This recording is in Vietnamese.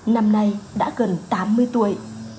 năm nay đã gần tám mươi tuổi